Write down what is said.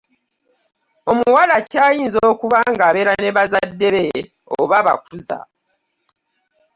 Omuwala akyayinza okuba ngabeera ne bazadde be oba abakuza!